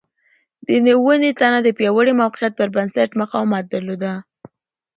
د ونې تنه د پیاوړي موقعیت پر بنسټ مقاومت درلود.